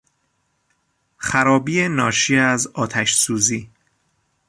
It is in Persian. خرابی ناشی از آتشسوزی